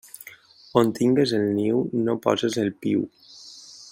On tingues el niu, no poses el piu.